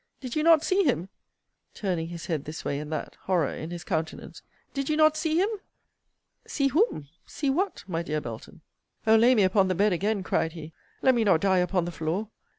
Did you not see him? turning his head this way and that; horror in his countenance; Did you not see him? See whom, see what, my dear Belton! O lay me upon the bed again, cried he! Let me not die upon the floor!